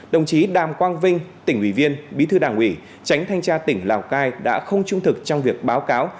đồng chí đàm quang vinh tỉnh ủy viên bí thư đảng ủy tránh thanh tra tỉnh lào cai đã không trung thực trong việc báo cáo